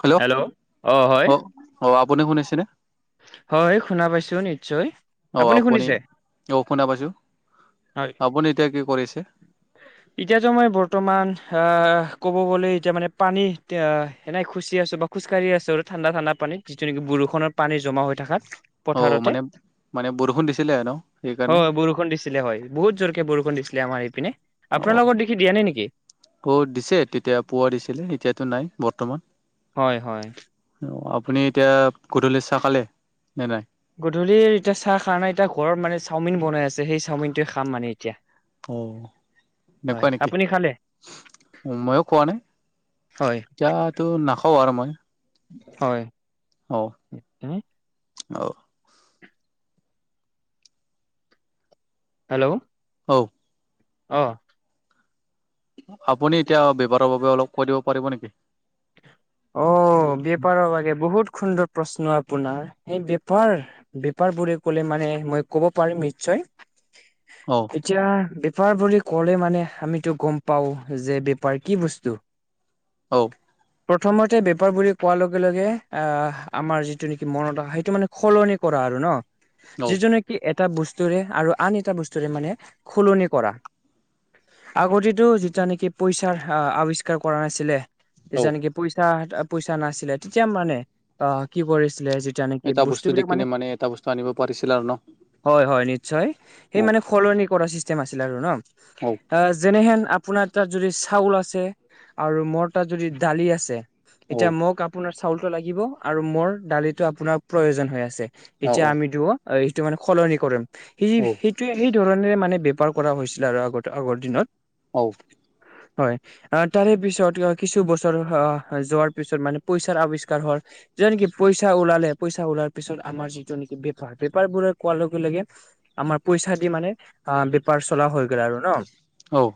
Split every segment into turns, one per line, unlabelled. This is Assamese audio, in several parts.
হেল্ল', অ অ আপুনি শুনিছেনে?
হয় শুনা পাইছো নিশ্চয়।
অ আপুনি অ শুনা পাইছো
হয়
আপুনি এতিয়া কি কৰিছে।
এতিয়াতো মই বৰ্তমান অ ক'ব গলে এতিয়া মানে পানী তে আ এনেই খুচি আছো। খোজকাঢ়ি আছো আৰু ঠাণ্ডা ঠাণ্ডা পানীত যিটো নেকি বৰষুৰ পানী জমা হৈ থকাত।
অ মানে মানে বৰষুণ দিছিলে আৰু ন সেইকাৰণে।
হয় বৰষুণ হয় বহুত জোৰকে বৰষুণ দিছিলে আমাৰ এইপিনে,
অ
আপোনাল লগত দেখি দিয়া নাই নেকি?
অ দিছে তেতিয়া পুৱা দিছিলে এতিয়াতো নাই বৰ্তমান।
হয় হয়।
অ আপুনি এতিয়া গধূলি চাহ খালে নে নাই।
গধূলিৰ এতিয়া চাহ কাৰণে এতিয়া ঘৰত মানে চাওমিন বনাই আছে। যে সেই চাওমিনটোৱে খাম মানে এতিয়া।
অ
হয়
এনেকুৱা নেকি
আপুনি খালে
ময়ো খোৱা নাই।
হয়
এতিয়াটো নাখাওঁ আৰু মই।
হয়
অ
ও,
অ,
হেল্ল',
অও
অ।
আপুনি এতিয়া ব্যৱহাৰৰ বাবে অলপ কৰিব পাৰিব নেকি?
অ বেপাৰৰ বাগে বহুত সুন্দৰ প্ৰশ্ন আপোনাৰ, এই বেপাৰ বেপাৰ বোৰে ক'লে মানে মই ক'ব পাৰিম নিশ্চয়।
অ
এতিয়া বেপাৰ বুলি ক'লে মানে আমিতো গম পাওঁ যে বেপাৰ কি বস্তু।
অ
প্ৰথমতে বেপাৰ বুলি কোৱাৰ লগে লগে আমাৰ যিটো নেকি মনত আহে সেইটো মানে সলনি কৰা আৰু ন।
অ
যিজনেকি এটা বস্তুৰে আৰু আন এটা বস্তুৰে মানে সলনি কৰা। আগতেতো যেতিয়া নেকি পইচাৰ আৱিষ্কাৰ কৰা নাছিলে।
অ
যেতিয়া নেকি পইচা পইচা নাছিলে তেতিয়া মানে অ কি কৰিছিলে যেতিয়া নেকি
এটা বস্তু দি
বিলাক
কিনে মানে এটা বস্তু আনিব পাৰিছিল আৰু ন।
হয় হয় নিশ্চয় সেই মানে
অ
সলনি কৰা চিষ্টেম আছিল আৰু ন।
[unintelligible]
যেনেহেন আপোনাৰ তাত যদি চাউল আছে আৰু মোৰ তাত যদি দালি আছে,
অ
এতিয়া মোক আপোনাৰ চাউলটো লাগিব আৰু মোৰ দালিটো আপোনাৰ প্ৰয়োজন হৈ আছে। এতিয়া আমিতো এইটো মানে সলনি কৰিম [unintelligible] সেই ধৰণেৰে মানে বেপাৰ কৰা হৈছিলে আৰু আগতে আগৰ দিনত।
অও
হয় অ, তাৰে পিছত কিছু বছৰৰ হয় অহ হয় যোৱাৰ পিছত মানে পইচাৰ আৱিষ্কাৰ হৰ যে নেকি পইচা ওলালে পইচা ওলাৰ পিছত আমাৰ যিটো নেকি বেপাৰ- বেপাৰ বোৰে কোৱাৰ লগে -লগে আমাৰ পইচা দি মানে অ, বেপাৰ চলা হৈ গ'ল আৰু ন'।
ঔ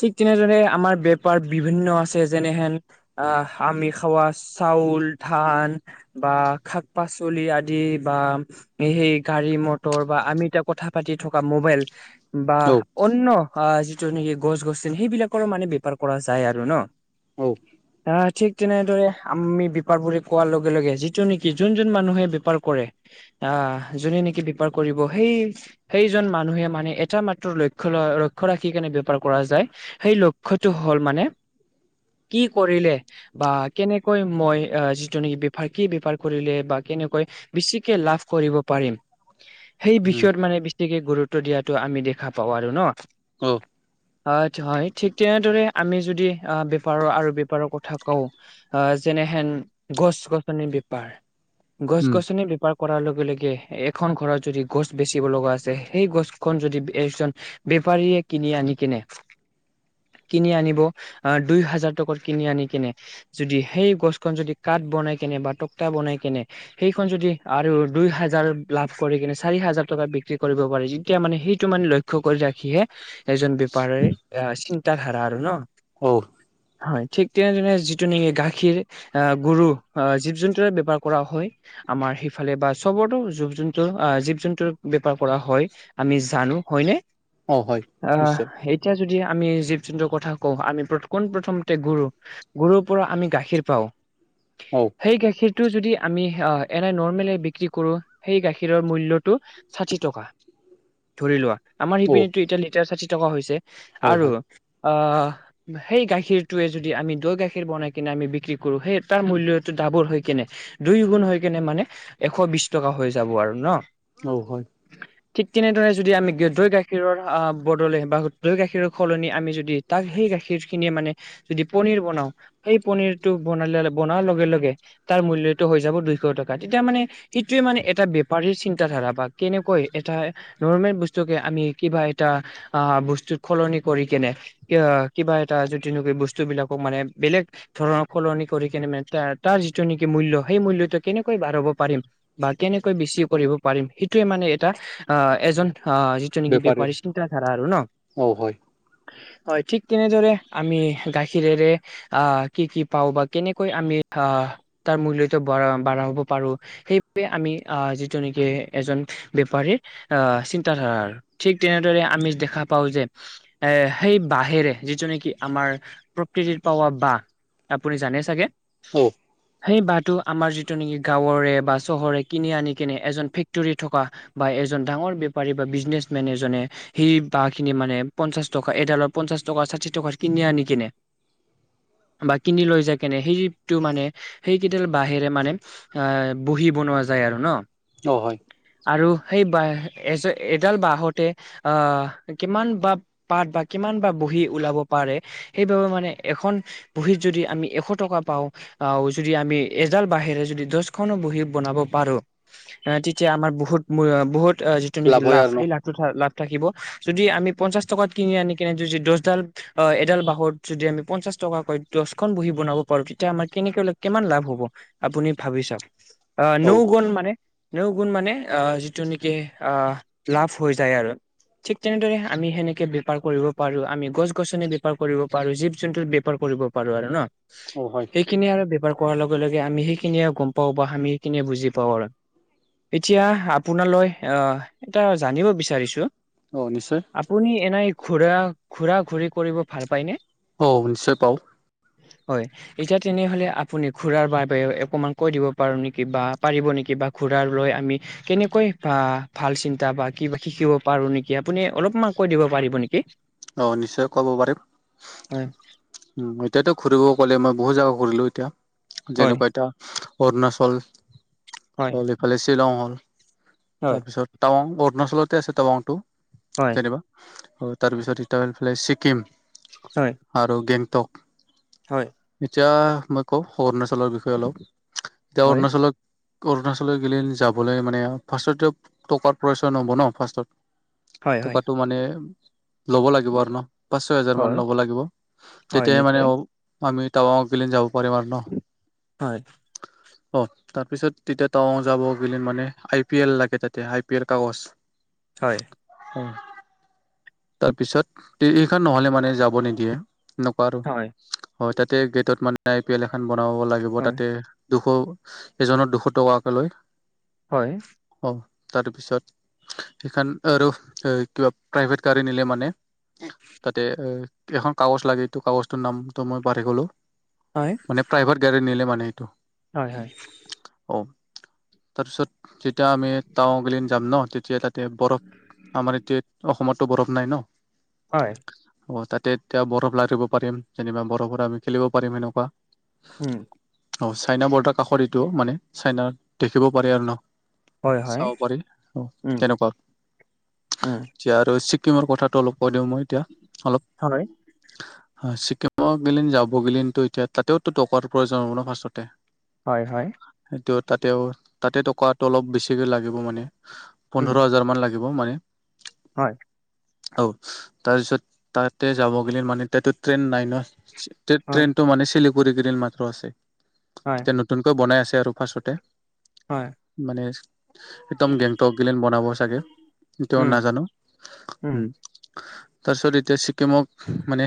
ঠিক তেনেদৰে আমাৰ বেপাৰ বিভিন্ন আছে যেনেহেন আহ, আমি খাৱা চাউল, ধান বা শাক -পাচলি আদি বা এ সেই গাড়ী মটৰ বা আমি এতিয়া কথা পাতি থকা মোবাইল বা অন্য আ যিটো নেকি গছ- গছনি সেইবিলাকৰো মানে বেপাৰ কৰা যায় আৰু ন'।
ঔ
আহ, ঠিক তেনেদৰে আমি বেপাৰ বোৰে কোৱাৰ লগে -লগে যিটো নেকি যোন -যোন মানুহে বেপাৰ কৰে আহ, যোনে নেকি বেপাৰ কৰিব সেই সেইজন মানুহে মানে এটা মাত্ৰ লক্ষ্যলয় লক্ষ্য ৰাখি কেনে বেপাৰ কৰা যায়। সেই লক্ষ্যটো হ'ল মানে কি কৰিলে বা কেনেকৈ মই যিটো নেকি বেপাৰ কি বেপাৰ কৰিলে বা কেনেকৈ বেছিকে লাভ কৰিব পাৰিম
[inaudible]
সেই বিষয়ত মানে বেছিকে গুৰুত্ব দিয়াটো আমি দেখা পাওঁ আৰু ন'।
অ',
হয় আচ্ছা হয় এই ঠিক তেনেদৰে আমি যদি আহ বেপাৰৰ আৰু বেপ বেপাৰৰ কথা কওঁ আহ যেনেহেন গছ- গছনিৰ বেপাৰ
উম
গছ-গছনি বেপাৰ কৰাৰ লগে -লগে এখন ঘৰত যদি গছ বেচিব লগা আছে সেই গছ খন যদি এজন বেপাৰীয়ে কিনি আনি কিনে কিনি আনিব আহ, দুই হাজাৰ টকাৰ কিনি আনি কিনে যদি সেই গছখন যদি কাঠ বনাই কেনে বা টকটা বনাই কেনে সেইখন যদি আৰু দুই হাজাৰ লাভ কৰি কিনে চাৰি হাজাৰ টকাত বিক্ৰী কৰিব পাৰি যেতিয়া মানে সেইটো মানে লক্ষ লক্ষ্য কৰি ৰাখিহে এজন বেপাৰীৰ অ, চিন্তা ধাৰা আৰু ন'।
ঔ
হয় ঠিক তেনেদৰে যিটো নেকি গাখীৰ আহ, গৰু জীৱ -জন্তুৰে বেপাৰ কৰা হয় আমাৰ সিফালে বা চবৰটো জীৱ -জন্তু আহ জীৱ-জন্তুৰ বেপাৰ কৰা হয়। আমি জানো হয়নে?
অ হয়
আহ,
নিশ্চয়
এতিয়া যদি আমি জীৱ- জন্তুৰ কথা কওঁ আমি কোন প্ৰথম তে গোৰু -গোৰুৰ পৰা আমি গাখীৰ পাওঁ।
ঔ
সেই গাখীৰটো যদি আমি অহ এনে নৰ্মেলি বিক্ৰী কৰোঁ সেই গাখীৰৰ মূল্য টো ছাঠি টকা।
[inaudible]
ধৰি লোৱা আমাৰ
অ
সিপিনেটো এতিয়া লিটাৰ ছাঠি টকা হৈছে
হয়
আৰু
হয়
অ, সেই গাখীৰ টোৱে যদি আমি দৈ গাখীৰ বনাই কিনে আমি বিক্ৰী কৰোঁ সেই তাৰ মূল্যটো ডাবোল হৈ কিনে দুই গুণ হৈ কেনে মানে এশ বিছ টকা হৈ যাব আৰু ন'।
অহ, হয়।
ঠিক তেনেদৰে যদি আমি দৈ, গাখীৰৰ বদলে বা দৈ, গাখীৰৰ সলনি আমি যদি তাক সেই গাখীৰ খিনিয়ে মানে যদি পনীৰ বনাওঁ সেই পনীৰটো বনালে বনোৱাৰ লগে -লগে তাৰ মূল্যটো হৈ যাব দুইশ টকা তেতিয়া মানে সেইটোৱে মানে এটা বেপাৰীৰ চিন্তা ধাৰা বা কেনেকৈ এটা নৰ্মেল বস্তুকে আমি কিবা এটা আহ, বস্তুত সলনি কৰি কেনে কিয় কিবা এটা যদি নকৈ বস্তু বিলাকক মানে বেলেগ ধৰ সলনি কৰি কেনে মানে তাৰ যিটো নেকি মূল্য, সেই মূল্যটো কেনেকৈ বঢ়াব পাৰিম। বা কেনেকৈ বেছি কৰিব পাৰিম সেইটোয়ে মানে এটা আহ এজন আহ যি নেকি বেপাৰ
বেপাৰীৰ
চিন্তাধাৰা আৰু ন,
অ হয়
হয়, ঠিক তেনেদৰে আমি গাখীৰ গাখীৰেৰে আহ কি কি পাওঁ বা কেনেকৈ আমি আহ তাৰ মূল্যটো বঢ়া বঢ়াব পাৰোঁ। সেইবাবে আমি আহ, যিটো নেকি এজন বেপাৰীৰ আহ, চিন্তাধাৰাৰ ঠিক তেনেদৰে আমি দেখা পাওঁ যে এ সেই বাঁহেৰে যিটো নেকি আমাৰ প্ৰকৃতিৰ পাৱা বাঁহ, আপুনি জানে চাগে?
অ
সেই বাঁহটো আমাৰ যিটো নেকি গাঁৱৰে বা চহৰে কিনি আনি কিনে, এজন ফেক্টৰী থকা বা এজন ডাঙৰ বেপাৰী বা বিজনেছ মেন এজনে সেই বাঁহখিনি মানে পঞ্চাশ টকা এডালত পঞ্চাশ টকা, ষাঠি টকাৰ কিনি আনি কিনে বা কিনি লৈ যায় কেনে সেইটো মানে সেইকেইডাল বাঁহেৰে মানে আ বহি বনোৱা যায় আৰু ন।
অ' হয়।
আৰু সেই বাঁহ, এ এডাল বাঁহতে আহ, কিমান বা পাত বা কিমান বা বহি ওলাব পাৰে। সেইবাবে মানে মানে এখন বহীত যদি আমি এশ টকা পাওঁ। আহ, যদি আমি এডাল বাঁহৰে যদি দহখনো বহি বনাব পাৰো। তেতিয়া আমাৰ বহুত-বহুত যিটো নেকি
হয়
লাভ,
আৰু ন
সেই লাভ সেইটোত লাভ থাকিব। যদি আমি পঞ্চাশ টকাত কিনি আনি কেনে যদি দহডাল এডাল বাহত যদি আমি পঞ্চাশ টকাকৈ দহখন বহি বনাব পাৰো, তেতিয়া আমাৰ কেনেকৈ কিমান লাভ হ'ব। আপুনি ভাবি চাওঁক। অ' নৌগুণ মানে নৌগুণ মানে আ, যিটো নেকি আ, লাভ হৈ যায় আৰু। ঠিক তেনেদৰে আমি সেনেকে বেপাৰ কৰিব পাৰো। আমি গছ-গছনি বেপাৰ কৰিব পাৰোঁ। জীব-জন্তুত বেপাৰ কৰিব পাৰো আৰু ন।
অ হয়
সেইখিনিয়ে আৰু বেপাৰ কৰাৰ লগে-লগে আমি সেইখিনিয়ে গম পাওঁ বা আমি সেইখিনি বুজি পাওঁ আৰু। এতিয়া আপোনালৈ আহ, এটা জানিব বিচাৰিছোঁ?
অ, নিশ্চয়।
আপুনি এনেই ঘুৰা, ঘুৰা-ঘূৰি কৰিব ভাল পায়নে?
অ, নিশ্চয় পাওঁ।
হয়। এতিয়া তেনেহলে আপুনি ঘুৰাৰ বাবে অকমান কৈ দিব পাৰ নেকি বা পাৰিব নেকি বা ঘুৰাৰ লৈ আমি কেনেকৈ বা ভাল চিন্তা বা কিবা শিকিব পাৰো নেকি আপুনি অলপমান কৈ দিব পাৰিব নেকি?
অ, নিশ্চয় ক'ব পাৰিম।
হয়।
উম' এতিয়াতো ঘুৰিব ক'লে মই বহুত জাগা ঘুৰিলো এতিয়া।
হয়
যেনেকুৱা এটা অৰুণাচল
হয়
সিফালে শ্বিলং হ'ল।
হয়
তাৰপিছত টাৱাং অৰুণাচলতে আছে টাৱাংটো।
হয়
যেনিবা তাৰপিছত এফালে ছিকিম।
হয়
আৰু গেংটক
হয়
এতিয়া মই কওঁ অৰুণাচলৰ বিষয়ে অলপ, এতিয়া
হয়
অৰুণাচলত অৰুণাচললৈ গ'লে যাবলৈ মানে ফাৰ্ষ্টত এতিয়া টকাৰ প্ৰয়োজন হ'ব ন ফাৰ্ষ্টত।
হয় হয়
থকাটো মানে ল'ব লাগিব আৰু ন, পাঁচ, ছয় হেজাৰ মান
হয়
ল'ব লাগিব।
হয়
তেতিয়াহে মানে
নিশ্চয়
অ আমি টাবাংতগিলি যাব পাৰিম আৰু ন।
হয়।
অ। তাৰপিছত তেতিয়া টাৱাং যাব গ'লে মানে আই পি এল লাগে তাতে আই পি এল কাগজ।
হয়।
তাৰপিছত এইখন নহলে মানে যাব নিদিয়ে। এনেকুৱা আৰু
হয়
হয় তাতে গেটত মানে আই পি এল এখন বনাব লাগিব
হয়
তাত দুশ এজনৰ দুশ টকাকে লয়।
হয়।
অ তাৰপিছত সেইখন আৰু কিবা প্ৰাইভেট গাড়ী নিলে মানে তাতে এ এখন কাগজ লাগেটো কাগজটোৰ নামটো মই পাহৰি গলো।
হয়।
মানে প্ৰাইভেট গাড়ী নিলে মানে এইটো।
হয় হয়।
অ তাৰপিছত যেতিয়া আমি টাও গেলিন যাম ন তেতিয়া তাতে বৰফ আমাৰ এতিয়া অসমত টো বৰফ নাই ন।
হয়।
অ, তাতে এতিয়া বৰফ লাগিব পাৰিম যেনিবা বৰফত আমি খেলিব পাৰিম সেনেকুৱা।
হম।
অ, চাইনা বৰ্ডাৰ কাষৰ এইটো মানে চাইনা দেখিব পাৰে আৰু ন।
হয় হয়
চাব পাৰি অ,
উম
তেনেকুৱা।
উম
এতিয়া আৰু ছিক্কিমৰ কথাটো অলপ কৈ দিওঁ মই এতিয়া অলপ।
হয়,
ছিকিমত গিলিন যাব গিলীন এতিয়া তাতেওতো টকাৰ প্ৰয়োজন হ'ব ন ফাষ্টতে।
হয় হয়।
সেইটো তাতেও তাতে টকাটো অলপ বেছিকে লাগিব মানে।
উম,
পোন্ধৰ হাজাৰমানান লাগিব মানে।
হয়।
অ তাৰপিছত তাতে যাবগ'লে মানে তাতটো ট্ৰেইন নাই ন।
হয়,
ট্ৰেইনতটো মানে চিলিগুৰি গিৰিত মাত্ৰ আছে।
হয়,
এতিয়া নতুনকৈ বনাই আছে আৰু ফাষ্টতে।
হয়।
মানে একদম গেংটগিলিন বনাব চাগে এইটো
উম,
নাজানো। উম। তাৰপিছত এতিয়া ছিকিমক মানে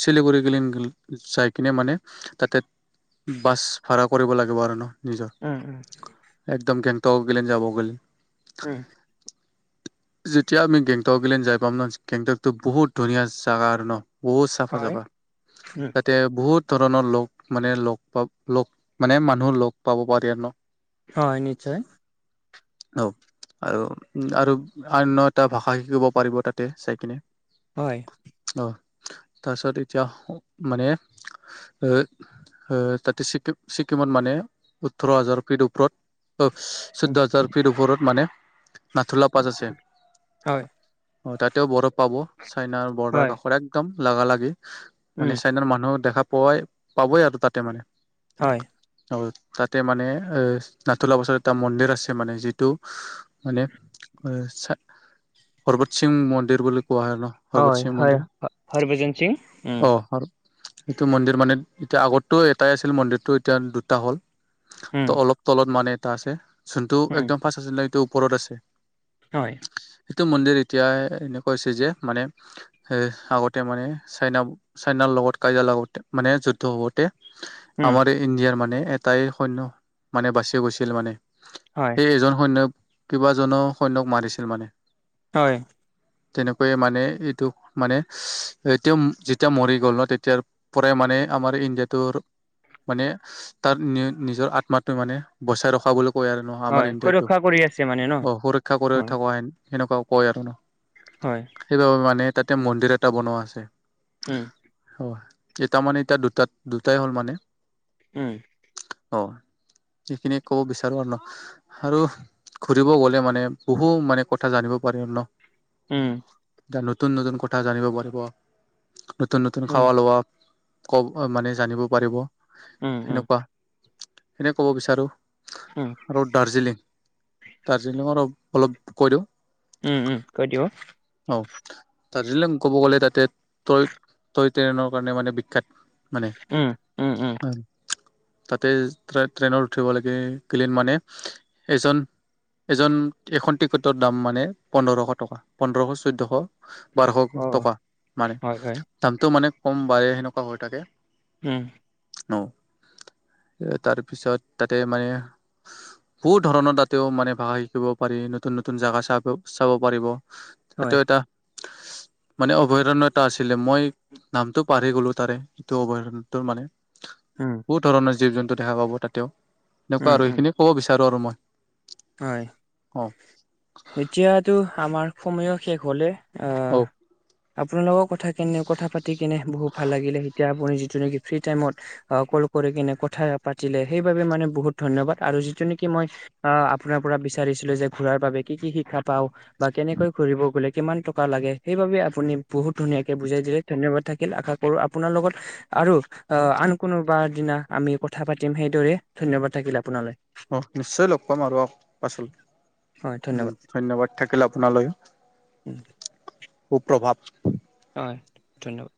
শিলিগুৰি গিলিন যাই কিনে মানে, তাতে বাছ ভাড়া কৰিব লাগিব আৰু ন নিজৰ।
উম, উম।
একদম গেংটক গিলিন যাব গলে।
উম।
[unintelligible] যেতিয়া আমি গেংটক গিলিন যাই পাম ন গেংটকতটো বহুত ধুনীয়া যাগা আৰু ন। বহুত চাফা
হয়,
জগা,
উম,
তাতে বহুত ধৰণৰ লগ মানে লগ, লগ মানে মানুহৰ লগ পাব পাৰি আৰু ন।
হয়, নিশ্চয়।
অ'! আৰু, আৰু অন্য এটা ভাষা শিকিব পাৰিব, তাতে চাই কিনে।
হয়!
অ'! তাৰপিছত, এতিয়া মানে, এ, তাতে ছিকিম ছিক্কিমত মানে ওঠৰ হাজাৰ ফিট ওপৰত
উম,
চৈধ্য হাজাৰ ফিট ওপৰত মানে নাথোলা পাছ আছে
হয়,
তাতেও বৰফ পাব। চাইনাৰ বৰ্ডাৰ
হয়,
কাষৰ একদম লাগা লাগি,
উম,
মানে চাইনাৰ মানুহ দেখা পোৱাই পাবই আৰু তাতে মানে।
হয়!
আৰু তাতে মানে, এ, [unintelligible] বছৰ এটা মন্দিৰ আছে। মানে, যিটো মানে, [unintelligible] সিং মন্দিৰ বুলি কোৱা হয়, ন'? হৰবত
হয়,
সিং
হয়,
মন্দিৰ
[unintelligible] সিং।
সেইটো মন্দিৰ মানে, এতিয়া আগতো, এটাই আছিল, মন্দিৰটো। এতিয়া, দুটা হ'ল।
উম,
ত' অলপ তলত মানে, এটা আছে। যোনটো,
উম,
একদম ফাৰ্ষ্ট আছিলে, সেইটো ওপৰত আছে।
হয়!
সেইটো মন্দিৰ, এতিয়া, এনেকুৱা হৈছে যে, মানে এ, আগতে মানে, চাইনা- চাইনাৰ লগত কাজিয়া লাগোতে, মানে যুদ্ধ হওঁতে।
উম,
আমাৰ ইণ্ডিয়াৰ মানে, এটাই সৈন্য মানে, বাচি গৈছিল মানে।
হয়!
সেই, এজন সৈন্যক, কেইবাজনো সৈন্যক মাৰিছিল মানে।
হয়!
তেনেকৈয়ে মানে, এইটো মানে, এ, তেওঁ যেতিয়া মৰি গ'ল ন'! তেতিয়া পৰাই মানে, আমাৰ ইণ্ডিয়াত তোৰ মানে, তাৰ নি, নিজৰ আত্মাটো মানে, বচাই ৰখা বুলি কৈ আৰু। আমাৰ
হয়,
ইণ্ডিয়াটো,
সুৰক্ষা কৰি আছে মানে ন?
অ'! সুৰক্ষা কৰি
হয়,
থকা, সেনেকুৱাও কয় আৰু ন'?
হয়!
সেইবাবে মানে, তাতে মন্দিৰ এটা বনোৱা আছে।
উম!
অ'! এটা মানে, এতিয়া দুটাত, দুটাই হ'ল মানে।
উম!
অ'! সেইখিনিয়ে ক'ব বিচাৰো আৰু ন'। আৰু ঘুৰিব গ'লে মানে, বহু মানে, কথা জানিব পাৰিম ন'?
উম!
নতুন-নতুন কথা জানিব পাৰিব। নতুন-নতুন
উম,
খাৱা- লৱা। [unintelligible] মানে, জানিব পাৰিব,
উম, উম,
সেনেকুৱা। সেইখিনিয়ে ক'ব বিচাৰো।
উম,
আৰু দাৰ্জিলিং-দাৰ্জিলিংৰ অলপ কৈ দিওঁ।
উম, উম, কৈ দিয়ক?
অ'! দাৰ্জিলিং ক'ব গ'লে, তাতে, টয়-টয় ট্ৰেইনৰ কাৰণে মানে, বিখ্যাত মানে।
উম, উম, উম!
তাতে, ট্ৰেইনত উঠিব লাগে। [unintelligible] মানে, এজন এজন, এখন টিকটৰ দাম মানে, পোন্ধৰশ টকা, পোন্ধৰশ-চৈধ্যশ। বাৰশ
অ',
টকা। মানে,
হয়, হয়,
দামটো মানে, কম-বাঢ়ে সেনেকুৱা হৈ থাকে।
উম!
অ'! এ, তাৰপিছত, তাতে মানে বহুত ধৰণৰ, তাতেও মানে, ভাষা শিকিব পাৰি, নতুন-নতুন জাগা, চাব-চাব পাৰিব।
হয়,
সেইটো, এটা মানে, অভয়াৰণ্য এটা আছিলে। মই, নামটো পাহৰি গ'লো তাৰে, সেইটো অভয়াৰণ্য। ত' মানে,
উম,
বহুত ধৰণৰ জীৱ-জন্তু দেখা পাব, তাতেও। এনেকুৱা
উম,
আৰু
উম,
সেইখিনি। ক'ব বিচাৰোঁ আৰু মই।
হয়,
অ
এতিয়াতো আমাৰ সময়ো শেষ হলে। অ আপোনাৰ লগৰ কথা কেনে কথা পাতি কেনে বহুত ভাল লাগিলে এতিয়া আপুনি যিটো নেকি ফ্ৰী টাইমত, অ কল কৰি কিনে কথা পাতিলে সেইবাবে মানে বহুত ধন্যবাদ আৰু যিটো নেকি মই আহ আপোনাৰ পৰা, বিচাৰিছিলোঁ যে, ঘূৰাৰ বাবে কি, কি শিক্ষা পাওঁ বা কেনেকৈ ঘূৰিব গ'লে, কিমান টকা লাগে? সেইবাবে, আপুনি বহুত ধুনীয়াকে বুজাই দিলে, ধন্যবাদ! থাকিল। আশা কৰোঁ, আপোনাৰ লগত আৰু আঁ আন, কোনোবাৰ দিনা, আমি কথা পাতিম সেইদৰে। ধন্যবাদ! থাকিল আপোনালৈ।
অ'! নিশ্চয় লগ পাম আৰু পাছত,
হয় ধন্যবাদ
ধন্যবাদ! থাকিলে আপোনালৈ।
উম।
সু-প্ৰভাৱ
হয় ধন্যবাদ।